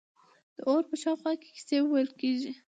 د اور په شاوخوا کې کیسې ویل کیږي.